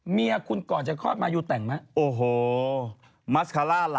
เมียคุณก่อนจะคอดมายูแฟนไหมโอ้โฮ